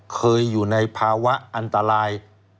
เคยอยู่ในภาวะอันตราย